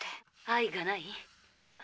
「愛」がない？